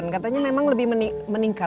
katanya memang lebih meningkat